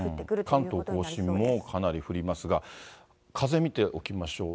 関東甲信もかなり降りますが、風見ておきましょう。